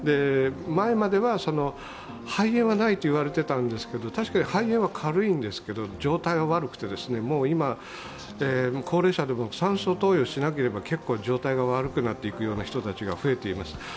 前までは肺炎はないと言われていたんですけれども、確かに肺炎は軽いんですけど状態は悪くてもう今、高齢者でも酸素投与しなければ結構状態が悪くなっていくような人たちが増えています。